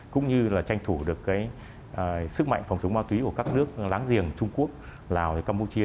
cũng như là tranh thủ được cái sức mạnh phòng chống ma túy của các nước láng giềng trung quốc lào và campuchia